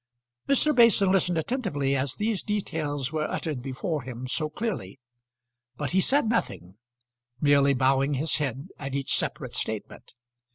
Mr. Mason listened attentively as these details were uttered before him so clearly, but he said nothing, merely bowing his head at each separate statement.